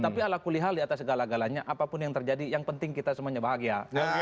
tapi ala kulihal di atas segala galanya apapun yang terjadi yang penting kita semuanya bahagia